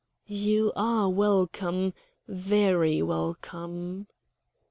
"You are welcome very welcome."